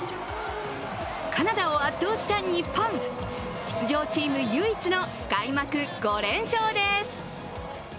カナダを圧倒した日本、出場チーム唯一の開幕５連勝です。